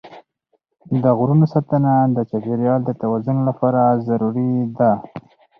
د غرونو ساتنه د چاپېریال د توازن لپاره ضروري ده.